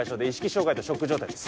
障害とショック状態です